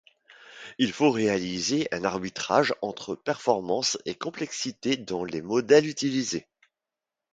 Il faut réaliser un arbitrage entre performance et complexité dans les modèles utilisés.